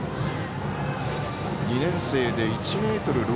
２年生で１ｍ６５ｃｍ。